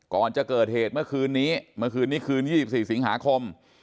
ก่อนจะเกิดเหตุเมื่อคืนนี้เมื่อคืนนี้คืน๒๔สิงหาคม